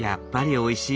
おいしい。